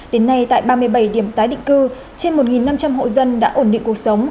đến nay tại ba mươi bảy điểm tái định cư trên một năm trăm linh hộ dân đã ổn định cuộc sống